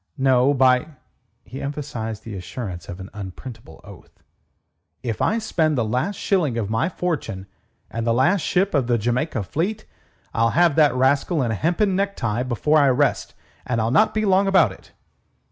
"No, by....." He emphasized the assurance by an unprintable oath. "If I spend the last shilling of my fortune and the last ship of the Jamaica fleet, I'll have that rascal in a hempen necktie before I rest. And I'll not be long about it."